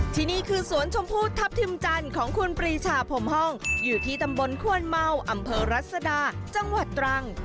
ที่นี่คือสวนชมพู่ทัพทิมจันทร์ของคุณปรีชาพรมห้องอยู่ที่ตำบลควนเมาอำเภอรัศดาจังหวัดตรัง